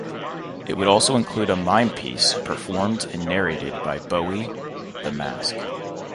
It would also include a mime piece performed and narrated by Bowie, "The Mask".